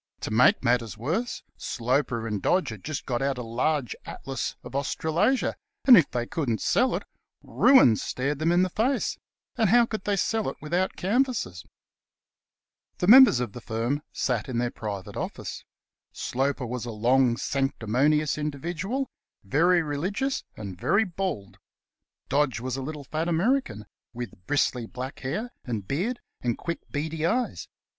To make matters worse, Sloper and Dodge had just got out a large Atlas of Australasia, and if they couldn't sell it, ruin stared them in the face ; and how could they sell it without canvassers ? The members of the firm sat in their private office. Sloper was a long, sanctimonious individual, very religious and very bald. Dodge was a little, fat American, with bristly, black hair and beard, and quick, beady eyes.